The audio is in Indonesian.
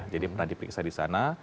jadi pernah diperiksa di sana